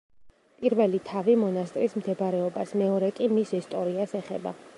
პირველი თავი მონასტრის მდებარეობას, მეორე კი მის ისტორიას ეხება.